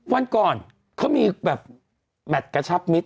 วันก่อนเขามีแบบนับเสร็จมิตร